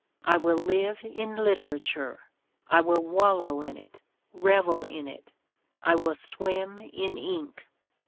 I will live in literature, I will wallow in it, revel in it; I will swim in ink!"